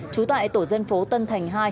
chú tại tổ dân phố tân thành hai